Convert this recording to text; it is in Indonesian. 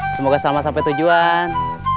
semoga selamat sampai tujuan